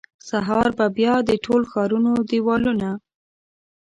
سهار به بیا د ټول ښارونو دیوالونه،